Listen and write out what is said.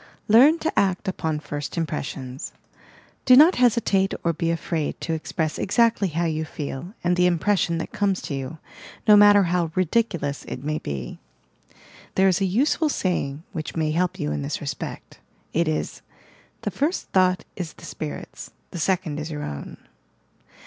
Leam to act upon first impressions. Do not hesi 88 YOUR PSTCHIC POWEES tate or be afraid to express exactly how you feel and the impression that comes to you, — no matter how "ridicu lous" it may be. There is a useful saying which may help you in this respect. It is; "The first thought is the spirit's, the second is your own."